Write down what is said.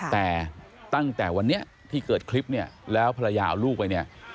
แต่ตั้งแต่วันนี้ที่เกิดคลิปเนี่ยแล้วภรรยาเอาลูกไปเนี่ย